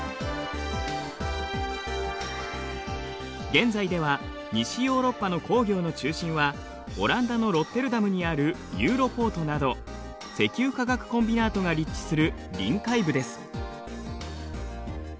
現在では西ヨーロッパの工業の中心はオランダのロッテルダムにあるユーロポートなど石油化学コンビナートが立地する臨海部です。